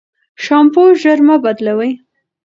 شامپو ژر مه بدلوی.